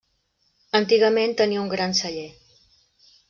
Antigament tenia un gran celler.